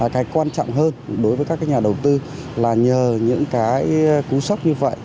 cái quan trọng hơn đối với các nhà đầu tư là nhờ những cái cú sốc như vậy